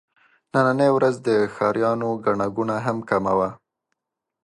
نننۍ ورځ د ښاريانو ګڼه ګوڼه هم کمه وه.